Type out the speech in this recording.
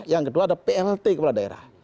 yang kedua ada plt kepala daerah